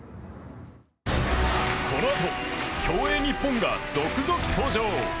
このあと競泳日本が続々登場！